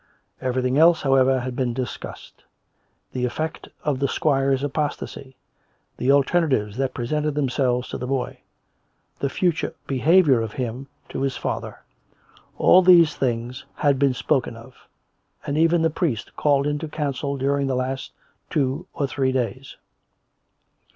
Everything else, how ever, had been discussed — the effect of the squire's apos tasy, the alternatives that presented themselves to the boy, the future behaviour of him to his father — all tliese things had been spoken of; and even the priest called into council during the last two or three days.